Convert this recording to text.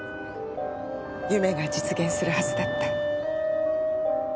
夢が実現するはずだった。